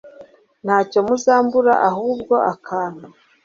ntacyo muzambura ahubwo akantu